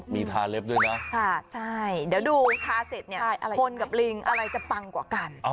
มีทาเล็บด้วยนะใช่เดี๋ยวดูทาเสร็จเนี่ยคนกับลิงอะไรจะปังกว่ากัน